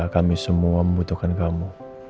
kami semua membutuhkan kamu